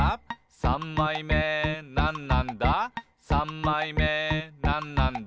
「さんまいめなんなんだ？